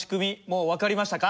もう分かりましたか？